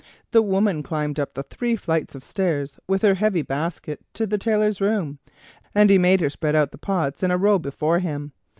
The woman climbed up the three flights of stairs with her heavy basket to the tailor's room, and he made her spread out the pots in a row before him.